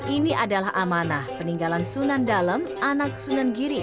ini adalah amanah peninggalan sunan dalem anak sunan giri